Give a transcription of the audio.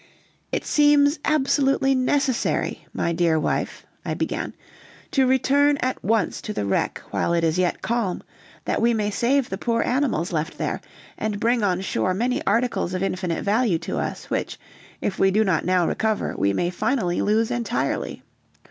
"It seems absolutely necessary, my dear wife," I began "to return at once to the wreck while it is yet calm, that we may save the poor animals left there, and bring on shore many articles of infinite value to us, which, if we do not now recover, we may finally lose entirely.